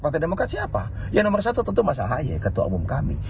partai demokrat siapa yang nomor satu tentu mas ahaye ketua umum kami